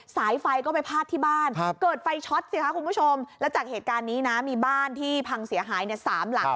สายไฟก็ไปพาดที่บ้านเกิดไฟช็อตสิคะคุณผู้ชมแล้วจากเหตุการณ์นี้นะมีบ้านที่พังเสียหาย๓หลัง